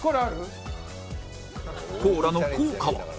コーラの効果は